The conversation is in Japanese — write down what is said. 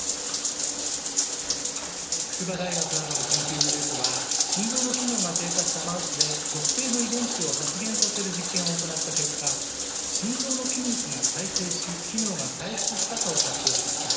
筑波大学などの研究グループは心臓の機能が低下したマウスで特定の遺伝子を発現させる実験を行った結果心臓の筋肉が再生し機能が回復したと発表しました。